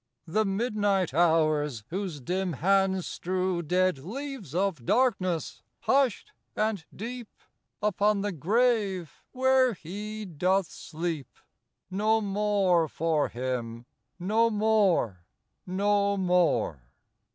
The Midnight Hours, whose dim hands strew Dead leaves of darkness, hushed and deep, Upon the grave where he doth sleep. No more for him! No more! no more!